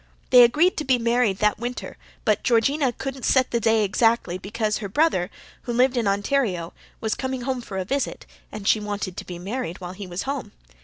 They agreed to be married that winter, but Georgina couldn't set the day exactly because her brother, who lived in Ontario, was coming home for a visit, and she wanted to be married while he was home.